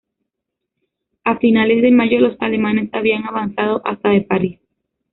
A finales de mayo los alemanes habían avanzado hasta de París.